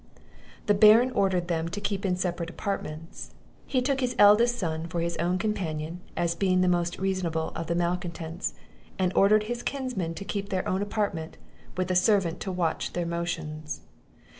The Baron ordered them to keep in separate apartments; he took his eldest son for his own companion, as being the most reasonable of the malcontents; and ordered his kinsmen to keep their own apartment, with a servant to watch their motions.